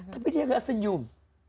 tapi dia tidak senyum